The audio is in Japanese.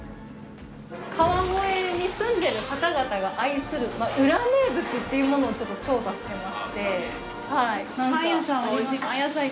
川越に住んでる方々が愛する裏名物っていうものを調査してまして。